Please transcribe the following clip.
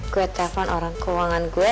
gue telepon orang keuangan gue